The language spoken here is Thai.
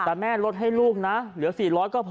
แต่แม่ลดให้ลูกนะเหลือ๔๐๐ก็พอ